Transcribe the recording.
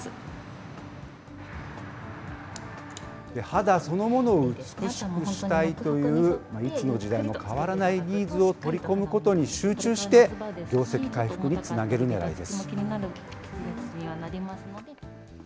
肌そのものを美しくしたいといういつの時代も変わらないニーズを取り込むことに集中して、業績回復につなげるねらいです。